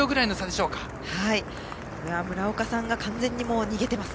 これは村岡さんが完全に逃げています。